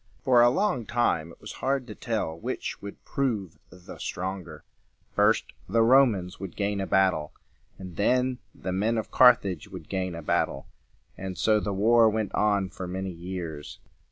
For a long time it was hard to tell which would prove the stronger. First the Romans would gain a battle, and then the men of Car thage would gain a battle; and so the war went on for many years.